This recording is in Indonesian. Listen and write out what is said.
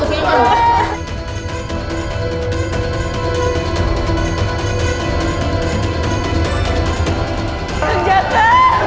kak kang jaka